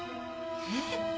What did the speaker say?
えっ！？